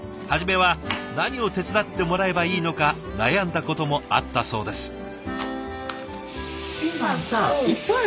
初めは何を手伝ってもらえばいいのか悩んだこともあったそうです。